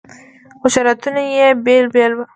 خو شریعتونه یې بېل بېل وو.